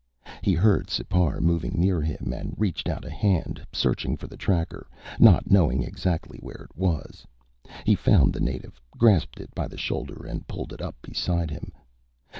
He heard Sipar moving near him and reached out a hand, searching for the tracker, not knowing exactly where it was. He found the native, grasped it by the shoulder and pulled it up beside him.